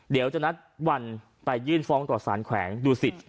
เดี๋ยวจะนัดวันไปยื่นฟ้องต่อสารแขวงดูสิต